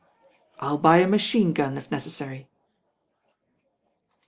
^^ I U buy a machine gun, if necessary."